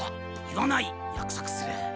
言わないやくそくする。